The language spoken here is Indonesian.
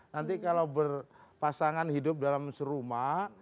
nanti kalau berpasangan hidup dalam serumah